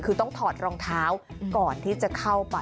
คือต้องถอดรองเท้าก่อนที่จะเข้าไป